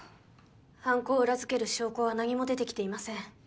犯行を裏づける証拠は何も出てきていません。